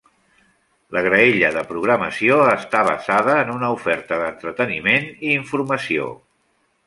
La graella de programació està basada en una oferta d'entreteniment i informació.